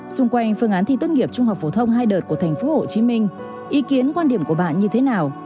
xung quanh phương án thi tốt nghiệp trung học phổ thông hai đợt của tp hcm ý kiến quan điểm của bạn như thế nào